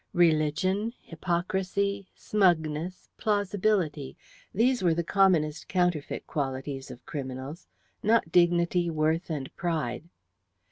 Religion, hypocrisy, smugness, plausibility; these were the commonest counterfeit qualities of criminals; not dignity, worth, and pride.